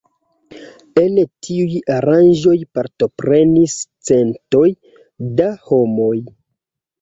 En tiuj aranĝoj partoprenis centoj da homoj.